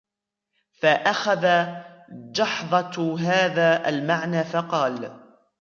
فَأَخَذَ جَحْظَةُ هَذَا الْمَعْنَى فَقَالَ